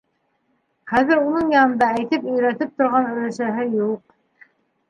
Хәҙер уның янында әйтеп-өйрәтеп торған өләсәһе юҡ.